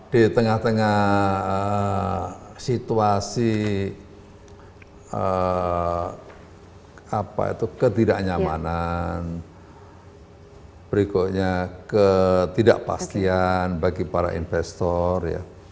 di tengah tengah situasi ketidaknyamanan berikutnya ketidakpastian bagi para investor ya